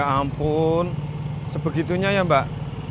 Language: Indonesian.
ampun sebegitunya ya mbak